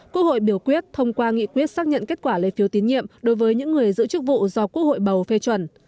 quốc hội biểu quyết thông qua nghị quyết xác nhận kết quả lấy phiếu tín nhiệm đối với những người giữ chức vụ do quốc hội bầu phê chuẩn